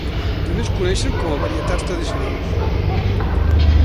També es coneixen com a varietats tradicionals.